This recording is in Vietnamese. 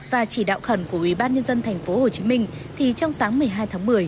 và chỉ đạo khẩn của ubnd tp hcm thì trong sáng một mươi hai tháng một mươi